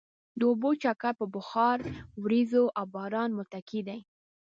د اوبو چکر په بخار، ورېځو او باران متکي دی.